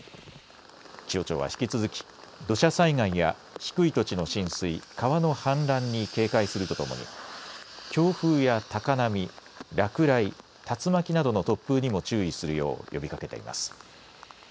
気象庁は引き続き土砂災害や低い土地の浸水、川の氾濫に警戒するとともに強風や高波、落雷、竜巻などの突風にも注意するよう呼びかけています。